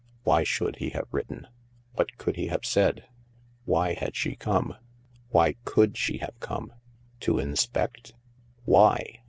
Why should he have written ? What could he have said ? Why had she come ? Why could she have come ? To inspect ? Why